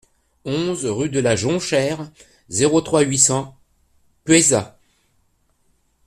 onze rue de la Jonchère, zéro trois, huit cents Poëzat